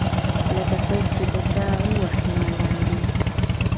لکــــه څــوک چې په چـــا ووهي ملـــنډه.